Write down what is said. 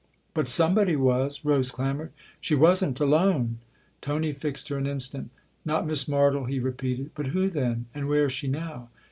" But somebody was !" Rose clamoured. " She wasn't alone !" Tony fixed her an instant. " Not Miss Martle," he repeated. " But who then ? And where is she now